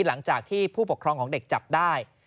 หลังจากที่ผู้ปกครองของเด็กจับได้